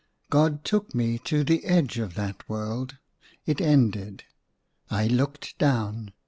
God took me to the edge of that world. It ended. I looked down.